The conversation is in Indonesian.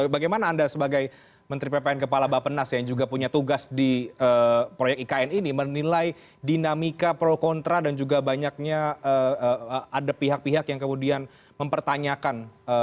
bagaimana anda sebagai menteri ppn kepala bapenas yang juga punya tugas di proyek ikn ini menilai dinamika pro kontra dan juga banyaknya ada pihak pihak yang kemudian mempertanyakan